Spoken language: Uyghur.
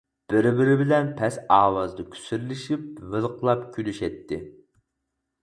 بىر-بىرى بىلەن پەس ئاۋازدا كۇسۇرلىشىپ، ۋىلىقلاپ كۈلۈشەتتى.